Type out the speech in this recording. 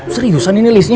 seriusan ini listnya